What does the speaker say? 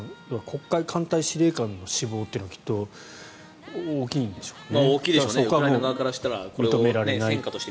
黒海艦隊司令官の死亡というのはきっと大きいんでしょうね。